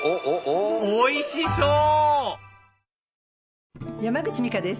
⁉おいしそう！